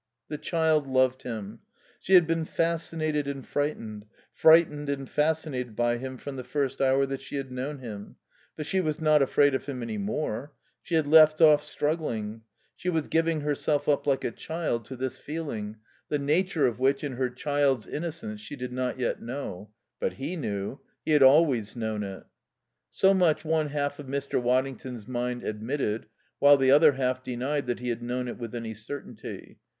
The child loved him. She had been fascinated and frightened, frightened and fascinated by him from the first hour that she had known him. But she was not afraid of him any more. She had left off struggling. She was giving herself up like a child to this feeling, the nature of which, in her child's innocence, she did not yet know. But he knew. He had always known it. So much one half of Mr. Waddington's mind admitted, while the other half denied that he had known it with any certainty.